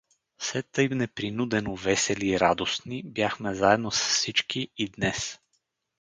Все тъй непринудено весели и радостни бяхме заедно с всички и днес.